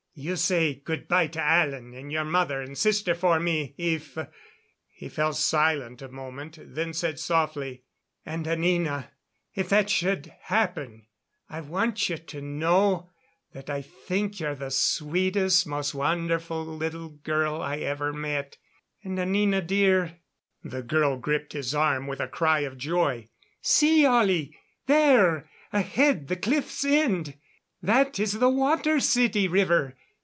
You say good by to Alan and your mother and sister for me if " He fell silent a moment, then said softly: "And, Anina, if that should happen, I want you to know that I think you're the sweetest, most wonderful little girl I ever met. And, Anina dear " The girl gripped his arm with a cry of joy. "See, Ollie! There, ahead, the cliffs end. That is the Water City river!